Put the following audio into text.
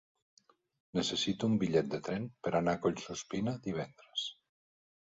Necessito un bitllet de tren per anar a Collsuspina divendres.